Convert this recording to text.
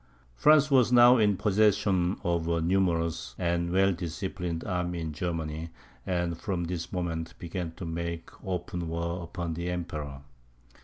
France was now in possession of a numerous and well disciplined army in Germany, and from this moment began to make open war upon the Emperor.